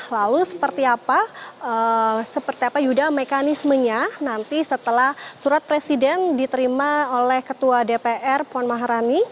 lalu seperti apa yuda mekanismenya nanti setelah surat presiden diterima oleh ketua dpr puan maharani